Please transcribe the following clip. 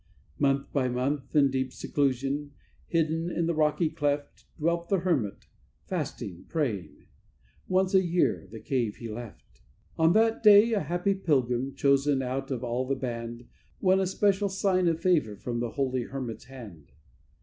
Month by month, in deep seclusion, hidden in the rocky cleft, Dwelt the hermit, fasting, praying; once a year the cave he left. On that day a happy pilgrim, chosen out of all the band, Won a special sign of favour from the holy hermit's hand.